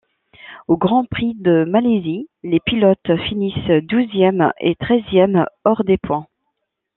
Au Grand Prix de Malaisie, les pilotes finissent douzième et treizième, hors des points.